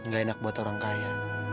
gak enak buat orang kaya